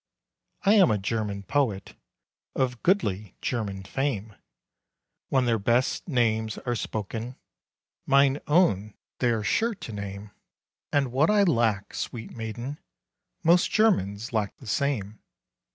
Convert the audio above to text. I am a German poet, Of goodly German fame, When their best names are spoken, Mine own they are sure to name. And what I lack, sweet maiden, Most Germans lack the same.